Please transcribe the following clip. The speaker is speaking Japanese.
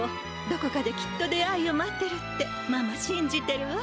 どこかできっと出会いを待ってるってママしんじてるわ。